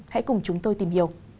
hãy cùng chúng tôi tìm hiểu